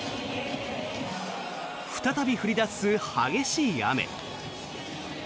再び降り出す激しい雨。